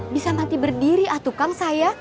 bisa mati berdiri atukang saya